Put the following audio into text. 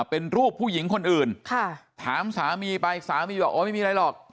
เป็นรูปผู้หญิงคนอื่นถามสามีไปสามีบอกโอ้ไม่มีอะไรหรอก